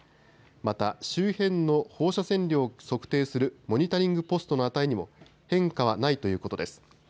また周辺の放射線量を測定するモニタリングポストの値にも変化はないということです。